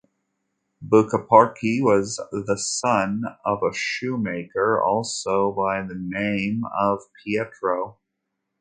Buccaporci was the son of a shoemaker also by the name of Pietro.